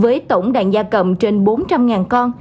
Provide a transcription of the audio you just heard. với tổng đàn gia cầm trên bốn trăm linh con